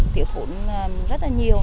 thiếu thốn rất là nhiều